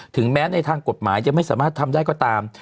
ถึงแม้ในทางกฎหมายจะไม่สามารถทำได้ก็ตาม